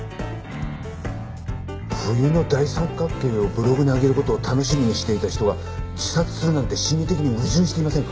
冬の大三角形をブログに上げる事を楽しみにしていた人が自殺するなんて心理的に矛盾していませんか？